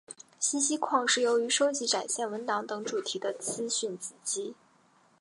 信息框是由于收集展现文档等主题的资讯子集。